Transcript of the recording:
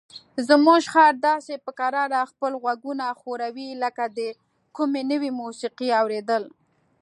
زموږ خر داسې په کراره خپل غوږونه ښوروي لکه د کومې نوې موسیقۍ اوریدل.